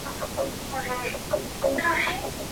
o مور له خلکو شرم احساسوي او ځان پټوي,